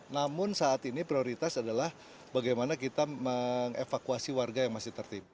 namun saat ini prioritas adalah bagaimana kita mengevakuasi warga yang masih tertimpa